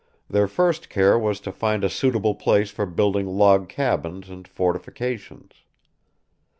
Their first care was to find a suitable place for building log cabins and fortifications.